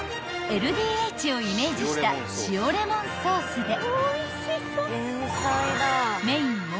［ＬＤＨをイメージした塩レモンソースでメイン